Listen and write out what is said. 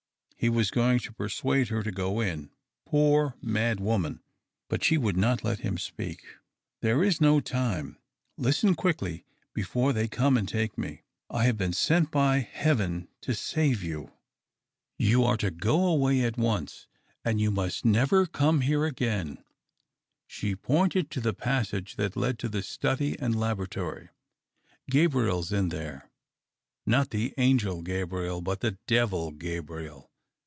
He was going to persuade her to go in, poor mad woman, but she would not let him speak. " There is no time. Listen quickly, before they come and take me. I have lieen sent by Heaven to save you. You are to go away at THE OCTAVE OF CLAUDIUS. 311 once, and you must never come here again." She pointed to the passage that led to the study and laboratory. " Gabriel's in there — not the angel Gabriel, but the devil Gabriel.